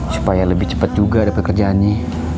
supaya lebih cepet juga daripada kerjaannya